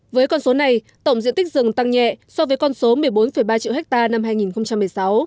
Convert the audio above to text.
với con số này tổng diện tích rừng tăng nhẹ so với con số một mươi bốn ba triệu hectare năm hai nghìn một mươi sáu